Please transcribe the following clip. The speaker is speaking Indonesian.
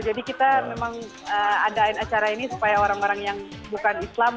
jadi kita memang adain acara ini supaya orang orang yang bukan islam